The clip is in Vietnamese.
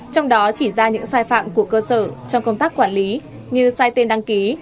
trong đó chỉ ra những sai phạm của cơ sở trong công tác quản lý như sai tên đăng ký